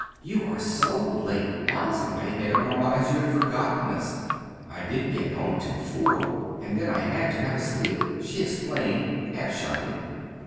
"You are so late! Alice and I had made up our minds you had forgotten us!" "I didn't get home till four, and then I had to have a sleep," she explained, half shyly.